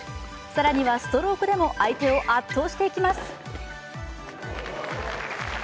更にはストロークでも相手を圧倒していきます。